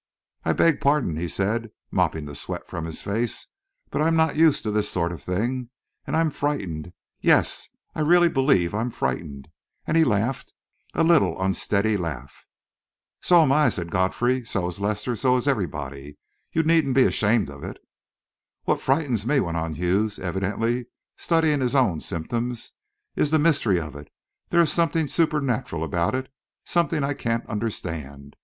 "I beg pardon," he said, mopping the sweat from his face; "but I'm not used to this sort of thing; and I'm frightened yes, I really believe I'm frightened," and he laughed, a little unsteady laugh. "So am I," said Godfrey; "so is Lester; so is everybody. You needn't be ashamed of it." "What frightens me," went on Hughes, evidently studying his own symptoms, "is the mystery of it there is something supernatural about it something I can't understand.